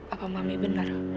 apa mami benar